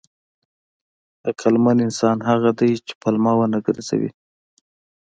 عقلمن انسان هغه دی چې پلمه ونه ګرځوي.